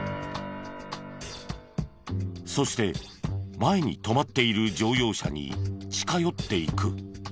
そして前に止まっている乗用車に近寄っていく。